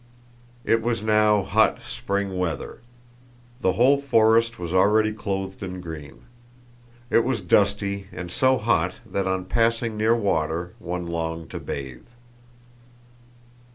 It was now hot spring weather. The whole forest was already clothed in green. It was dusty and so hot that on passing near water one longed to bathe.